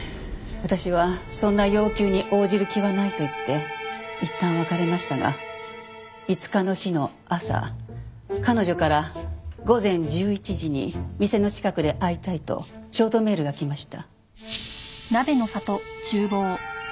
私はそんな要求に応じる気はないと言っていったん別れましたが５日の日の朝彼女から午前１１時に店の近くで会いたいとショートメールが来ました。